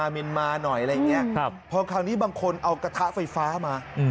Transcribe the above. เมียนมาหน่อยอะไรอย่างนี้พอคราวนี้บางคนเอากระทะไฟฟ้ามา